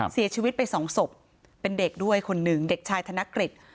เสียชีวิตไปสองศพเป็นเด็กด้วยคนหนึ่งเด็กชายธนกฤษ